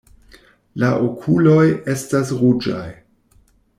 La okuloj estas ruĝaj.